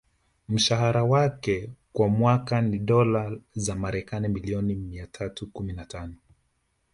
Mshahara wake kwa mwaka ni Dola za kimarekani milioni mia tatu kumi na tano